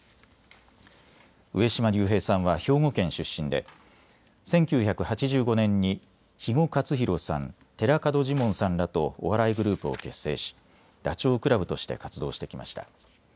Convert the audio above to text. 上島竜兵さんは兵庫県出身で１９８５年に肥後克広さん、寺門ジモンさんらとお笑いグループを結成しダチョウ倶楽部として活動してきました。